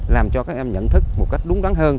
làm cho các em nhận thức một cách đúng đắn hơn